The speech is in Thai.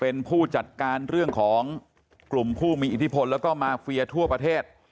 เป็นผู้จัดการเรื่องของกลุ่มผู้มีอิทธิพลแล้วก็มาเฟียทั่วประเทศ